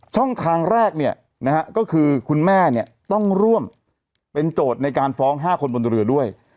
ช่องทางแรกเนี่ยนะฮะก็คือคุณแม่เนี่ยต้องร่วมเป็นโจทย์ในการฟ้อง๕คนบนเรือด้วย